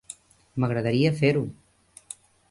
M'agradaria fer-ho.